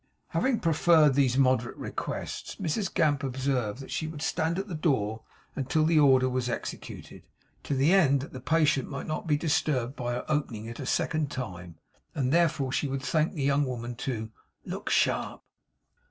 Having preferred these moderate requests, Mrs Gamp observed that she would stand at the door until the order was executed, to the end that the patient might not be disturbed by her opening it a second time; and therefore she would thank the young woman to 'look sharp.